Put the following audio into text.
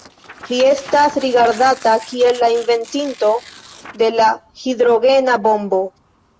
Li estas rigardata kiel la inventinto de la hidrogena bombo.